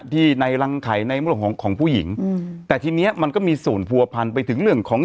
ที่ในรังไข่ในเรื่องของของของผู้หญิงแต่ทีเนี้ยมันก็มีส่วนผัวพันไปถึงเรื่องของ